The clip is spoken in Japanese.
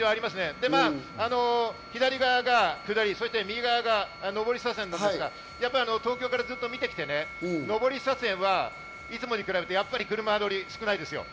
左側が下り、右側が上り車線ですが、東京からずっと見てきてね、上り車線はいつもに比べてやっぱり、車の量、少ないですよ。